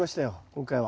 今回は。